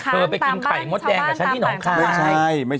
เธอไปกินไข่หมดแยงกับชะนี้หนองคล้าย